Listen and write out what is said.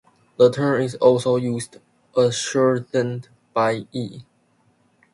The term is also used as shorthand by Ye.